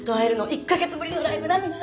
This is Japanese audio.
１か月ぶりのライブなんだ！